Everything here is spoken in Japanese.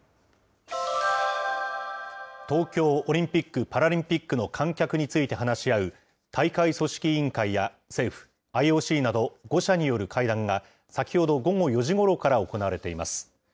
東京オリンピック・パラリンピックの観客について話し合う、大会組織委員会や政府、ＩＯＣなど５者による会談が、先ほど午後４時ごろから行われています。